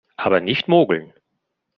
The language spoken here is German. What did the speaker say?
Aber nicht mogeln!